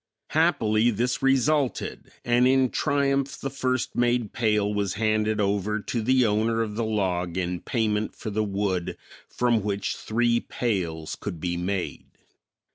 Happily, this resulted and in triumph the first made pail was handed over to the owner of the log in payment for the wood from which three pails could be made.